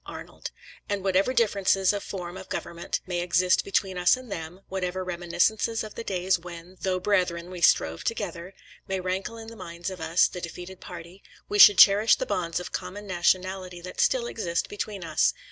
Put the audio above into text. [Arnold.] and whatever differences of form of government may exist between us and them; whatever reminiscences of the days when, though brethren, we strove together, may rankle in the minds of us, the defeated party; we should cherish the bonds of common nationality that still exist between us.